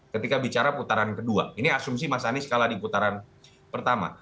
ketika bicara putaran kedua ini asumsi mas anies kalah di putaran pertama